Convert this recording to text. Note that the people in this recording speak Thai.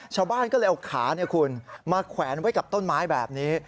ชาวบ้านก็เลยเอาขาคุณมาแขวนไว้กับต้นไม้แบบนี้